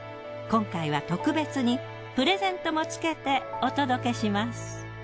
今回は特別にプレゼントもつけてお届けします。